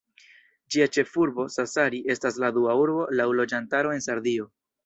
Ĝia ĉefurbo, Sassari, estas la dua urbo laŭ loĝantaro en Sardio.